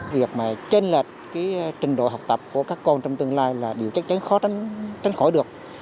việc mà trên lệch trình độ học tập của các con trong tương lai là điều chắc chắn khó tránh tránh khỏi được